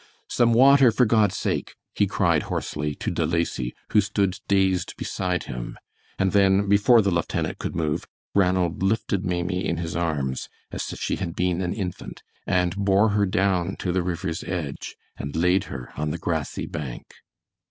"Some water, for God's sake!" he cried, hoarsely, to De Lacy, who stood dazed beside him, and then, before the lieutenant could move, Ranald lifted Maimie in his arms, as if she had been an infant, and bore her down to the river's edge, and laid her on the grassy bank.